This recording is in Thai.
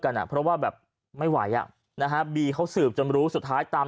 อ่ะเพราะว่าแบบไม่ไหวอ่ะนะฮะบีเขาสืบจนรู้สุดท้ายตาม